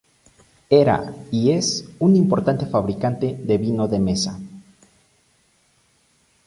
Era, y es, un importante fabricante de vino de misa.